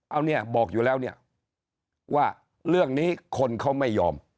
เอาเนี่ยบอกอยู่แล้วเนี่ยว่าเรื่องนี้คนเขาไม่ยอม